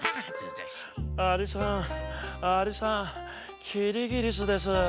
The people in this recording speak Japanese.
「アリさんアリさんキリギリスです」。